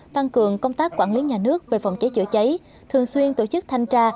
tăng cường công tác quản lý nhà nước về phòng cháy chữa cháy thường xuyên tổ chức thanh tra